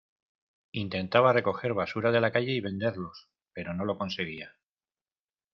Intentaba recoger basura de la calle y venderlos, pero no lo conseguía.